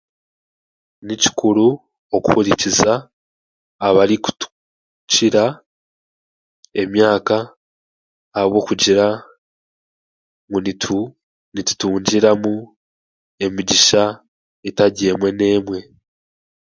Ni kikuru okuhurikiza abarikutukiira emyaka ahabw'okugira ngu nitutungiramu emigisha etari emwe n'emwe.